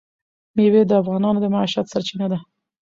مېوې د افغانانو د معیشت سرچینه ده.